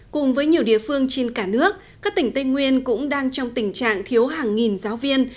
cùng với nhiều địa phương trên cả nước các tỉnh tây nguyên cũng đang trong tình trạng thiếu hàng nghìn giáo viên